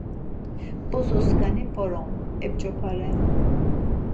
Bozoskani p̌orom, ep̌ç̌opare.